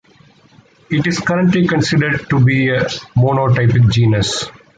It is currently considered to be a monotypic genus.